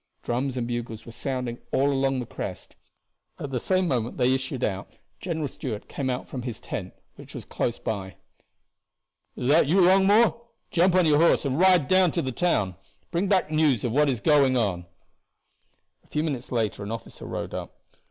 Drums and bugles were sounding all along the crest. At the same moment they issued out General Stuart came out from his tent, which was close by. "Is that you, Longmore? Jump on your horse and ride down to the town. Bring back news of what is going on." A few minutes later an officer rode up.